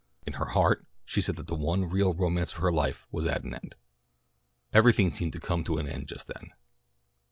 In her heart she said that the one real romance of her life was at an end. Everything seemed to come to an end just then.